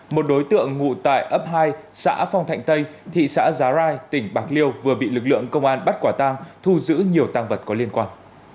một đối tượng ngụ tại ấp hai xã phong thạnh tây thị xã giá rai tỉnh bạc liêu vừa bị lực lượng công an bắt quả tang thu giữ nhiều tăng vật có liên quan